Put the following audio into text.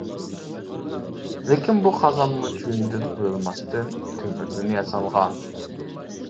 لېكىن بۇ قازانمۇ چويۇندىن قۇيۇلماستىن تۆمۈردىن ياسالغان.